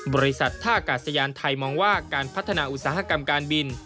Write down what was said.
บริษัทท่ากาศยานไทยมองว่าการพัฒนาอุตสาหกรรมการบิน